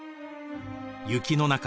雪の中